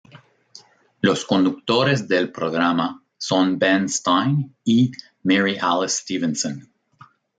Los conductores del programa son Ben Stein y Mary Alice Stephenson.